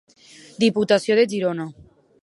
Diputació de Girona.